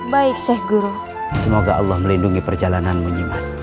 baik syekh guru semoga allah melindungi perjalananmu nyimas